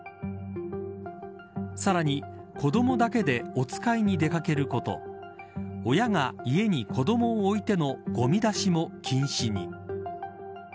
さらに、子どもだけでおつかいに出掛けること親が家に子どもを置いてのごみ出しも禁止に。